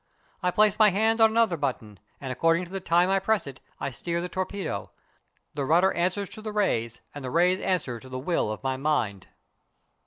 I place my hand on another button, and according to the time I press it I steer the torpedo; the rudder answers to the rays, and the rays answer to the will of my mind."